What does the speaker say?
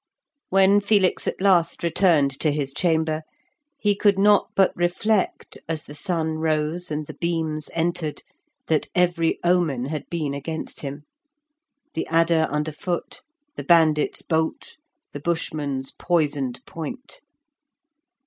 When Felix at last returned to his chamber he could not but reflect, as the sun rose and the beams entered, that every omen had been against him; the adder under foot, the bandit's bolt, the Bushman's poisoned point.